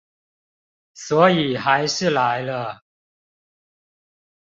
所以還是來了